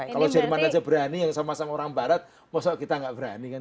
kalau jerman aja berani yang sama sama orang barat maksudnya kita nggak berani kan